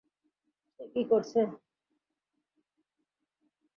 সে কি করছে?